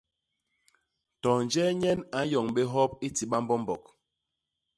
To njee nyen a nyoñ bé hop i ti bambombok.